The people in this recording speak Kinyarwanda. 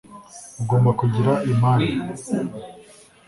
agomba kugira imari